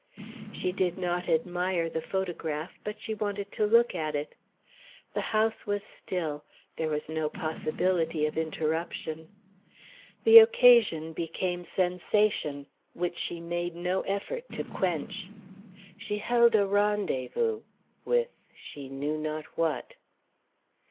She did not admire the photograph, but she wanted to look at it. The house was still, there was no possibility of interruption. The occasion became sensation, which she made no effort to quench. She held a rendezvous with she knew not what.